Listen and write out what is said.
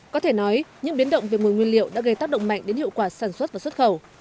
có thể nói những biến động về nguồn nguyên liệu đã gây tác động mạnh đến hiệu quả sản xuất và xuất khẩu